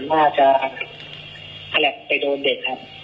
น่าจะผลักไปโดนเด็กครับ